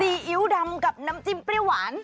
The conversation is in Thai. อิ๊วดำกับน้ำจิ้มเปรี้ยวหวาน